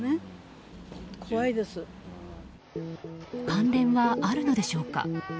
関連はあるのでしょうか。